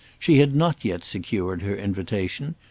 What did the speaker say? She had not yet secured her invitation.